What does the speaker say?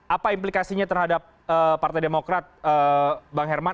apa implikasinya terhadap partai demokrat bang herman